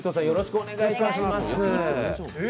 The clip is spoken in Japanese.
よろしくお願いします。